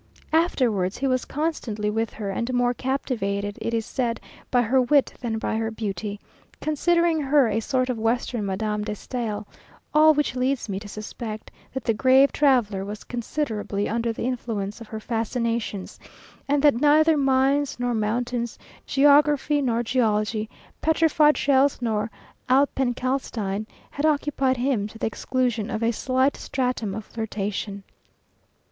"_ Afterwards he was constantly with her, and more captivated, it is said, by her wit than by her beauty, considering her a sort of western Madame de Stael; all which leads me to suspect that the grave traveller was considerably under the influence of her fascinations, and that neither mines nor mountains, geography nor geology, petrified shells nor alpenkalkstein, had occupied him to the exclusion of a slight stratum of flirtation.